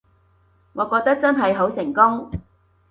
我覺得真係好成功